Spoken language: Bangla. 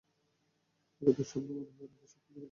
এটাকে দুঃস্বপ্ন মনে করে সবকিছু ভুলে যেও।